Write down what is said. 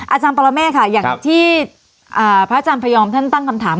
อาจารย์ปรเมฆค่ะอย่างที่พระอาจารย์พยอมท่านตั้งคำถาม